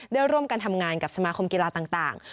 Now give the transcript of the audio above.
ได้ร่วมกันทำงานกับสมาคมกีฬาต่าง